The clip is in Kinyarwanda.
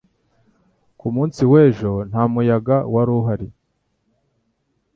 Ku munsi w'ejo nta muyaga wari uhari.